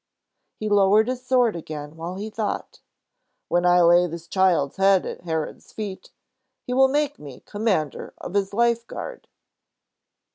He lowered his sword again while he thought: "When I lay this child's head at Herod's feet, he will make me Commander of his Life Guard."